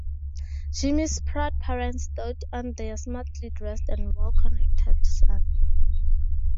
Jimmy's proud parents dote on their smartly dressed and well-connected son.